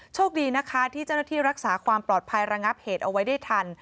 โชคดีนะคะที่เจ้าหน้าที่รักษาความปลอดภัยระงับเหตุเอาไว้ได้ทัน